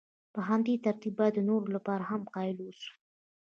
په همدې ترتیب باید د نورو لپاره هم قایل واوسم.